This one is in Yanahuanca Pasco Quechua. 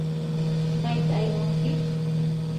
¿mayta aywanki?